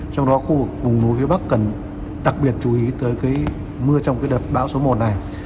trong đó khu vực vùng núi phía bắc cần đặc biệt chú ý tới mưa trong đợt bão số một này